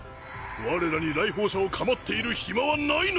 我らに来訪者を構っている暇はないのだ。